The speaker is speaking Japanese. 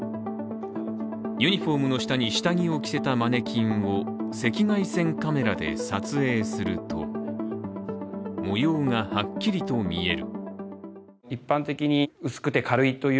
ユニフォームの下に下着を着せたマネキンを赤外線カメラで撮影すると模様がはっきりと見える。